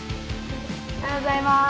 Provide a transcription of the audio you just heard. おはようございます！